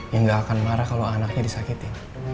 yang gak akan marah kalau anaknya disakiti